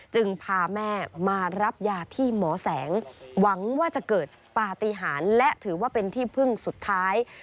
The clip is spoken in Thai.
จึงพาแม่มารับยาที่หมอแสงหวังว่าจะเกิดปฏิหารและถือว่าเป็นที่พึ่งสุดท้าย